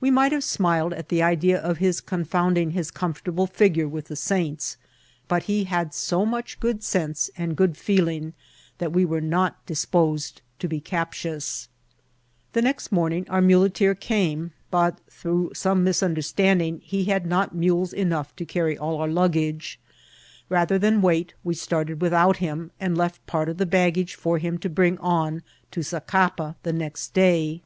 We might have smiled at ▲ KINODOM OV VLOEA. 67 the idea of his confounding his cxunfortable figure with the saints ; but he had so much good sense and good feeling that we were not disposed to be captious* The next morning our muleteer came, but, through some misunderstandingi he had not mules enough to carry all our luggage. Bather than wait, we started without him, and left part of the baggage for him to bring on to Zacapa the next day.